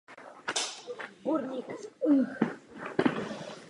Zvětráváním vápence zde také vznikly jeskyně.